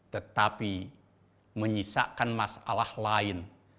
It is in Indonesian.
tetapi menyisakan masalah lain